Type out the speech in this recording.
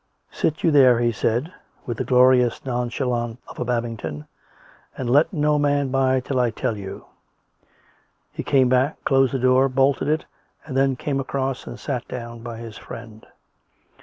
" Sit you there," he said, with the glorious nonchalance of a Babington, " and let no man by till I tell you." He came back, closed the door, bolted it, and then came across and sat down by his friend.